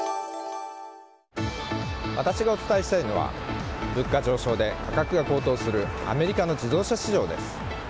私がお伝えしたいのは物価上昇で価格が高騰するアメリカの自動車市場です。